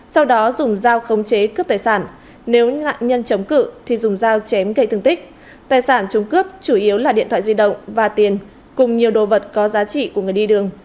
sau đó dùng dao khống chế cướp tài sản nếu nạn nhân chống cự thì dùng dao chém gây thương tích tài sản chung cướp chủ yếu là điện thoại di động và tiền cùng nhiều đồ vật có giá trị của người đi đường